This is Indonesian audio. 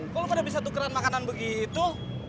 kok lo gak bisa tukeran makanan begitu